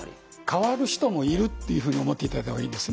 変わる人もいるっていうふうに思って頂いたほうがいいです。